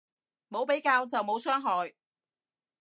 冇比較就冇傷害